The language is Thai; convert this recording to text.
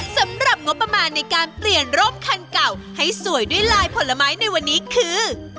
สำหรับงบประมาณในการเปลี่ยนร่มคันเก่าให้สวยด้วยลายผลไม้ในวันนี้คือ